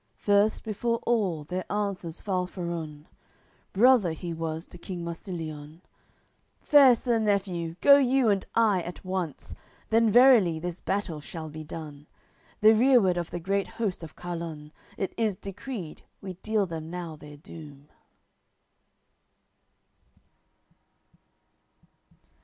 First before all there answers Falfarun; Brother he was to King Marsiliun "Fair sir nephew, go you and I at once Then verily this battle shall be done; The rereward of the great host of Carlun, It is decreed we deal them now their doom."